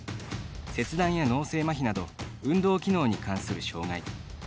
切断や脳性まひなど運動機能に関する障がい。